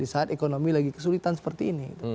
di saat ekonomi lagi kesulitan seperti ini